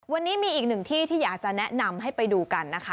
วันนี้มีอีกหนึ่งที่ที่อยากจะแนะนำให้ไปดูกันนะคะ